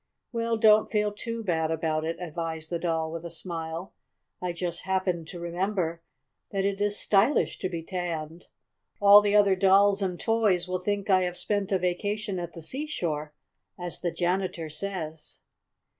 "Well, don't feel too bad about it," advised the Doll, with a smile. "I just happened to remember that it is stylish to be tanned. All the other dolls and toys will think I have spent a vacation at the seashore, as the janitor says.